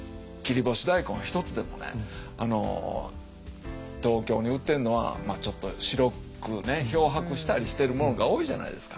例えば東京に売ってるのはちょっと白くね漂白したりしてるものが多いじゃないですか。